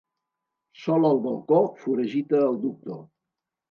Sol al balcó foragita el doctor.